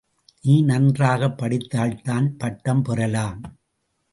நீ நன்றாகப் படித்தால்தான் பட்டம் பெறலாம்.